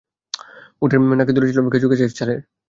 উটের নাকের দড়ি ছিল খেজুর গাছের ছালের।